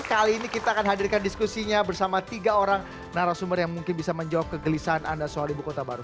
kali ini kita akan hadirkan diskusinya bersama tiga orang narasumber yang mungkin bisa menjawab kegelisahan anda soal ibu kota baru